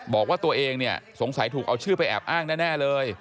บอกว่าตัวเองเนี่ยสงสัยถูกเอาชื่อไปแอบอ้างแน่เลย